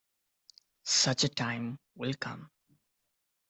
Such a time will come.